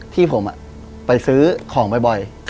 ที่ผมไปซื้อของบ่อย